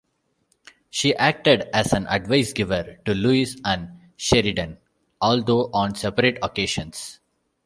She acted as an advice-giver to Luis and Sheridan, although on separate occasions.